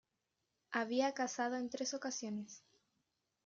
Había casado en tres ocasiones.